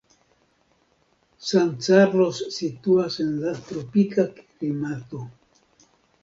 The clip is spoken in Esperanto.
San Carlos situas en la tropika klimato.